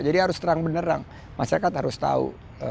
jadi harus terang benerang masyarakat harus tahu mana yang dinamika